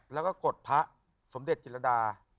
แล้วก็กดพระสมเด็จจิรดา